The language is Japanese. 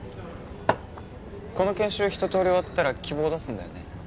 この研修ひととおり終わったら希望出すんだよね？